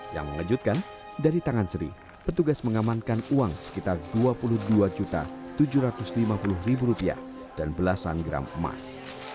yang mengejutkan dari tangan sri petugas mengamankan uang sekitar dua puluh dua tujuh ratus lima puluh dan belasan gram emas